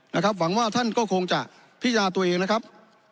นะครับหวังว่าท่านก็คงจะพิจารณาตัวเองนะครับ